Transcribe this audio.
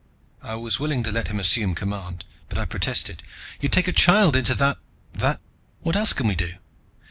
I was willing to let him assume command, but I protested, "You'd take a child into that that " "What else can we do?